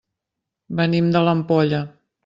Venim de l'Ampolla.